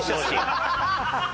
ハハハハ！